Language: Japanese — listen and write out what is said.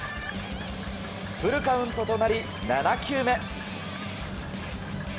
フルカウントとなり、７球目。